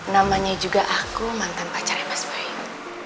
namanya juga aku mantan pacarnya mas bayu